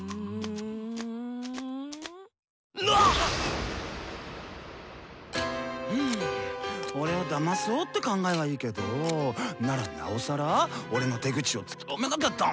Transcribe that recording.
なっ⁉ん俺をだまそうって考えはいいけどぉならなおさら俺の手口をつきとめなきゃダメヨォ。